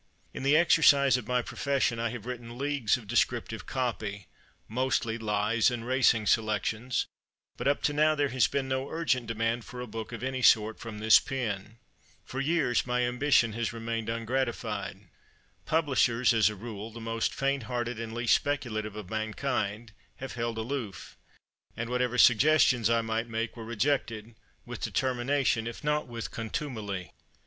In the exercise of my profession I have written leagues of descriptive "copy" mostly lies and racing selections, but up to now there has been no urgent demand for a book of any sort from this pen. For years my ambition has remained ungratified. Publishers as a rule, the most faint hearted and least speculative of mankind have held aloof. And whatever suggestions I might make were rejected, with determination, if not with contumely.